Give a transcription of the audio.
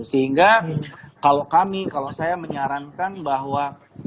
sehingga kalau kami kalau saya menyarankan bahwa